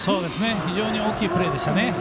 非常に大きいプレーでした。